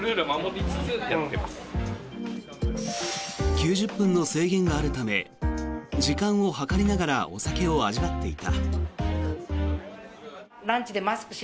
９０分の制限があるため時間を計りながらお酒を味わっていた。